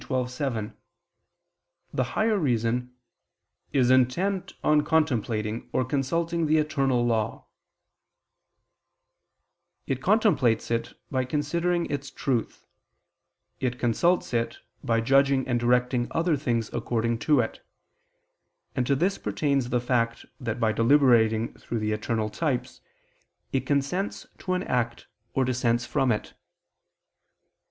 xii, 7), the higher reason "is intent on contemplating or consulting the eternal law"; it contemplates it by considering its truth; it consults it by judging and directing other things according to it: and to this pertains the fact that by deliberating through the eternal types, it consents to an act or dissents from it.